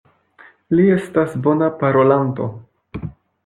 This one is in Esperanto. Li estas bona parolanto.